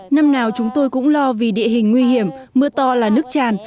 năm nào chúng tôi cũng lo vì địa hình nguy hiểm mưa to là nước tràn